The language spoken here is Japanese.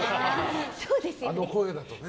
あの声だとね。